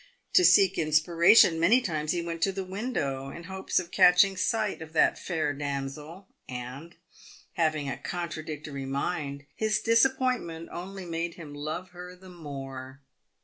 To seek inspiration, he many times went to the window, in the hopes of catching sight of that fair damsel, and, having a contradictory mind, his disappointment only made him love her the more.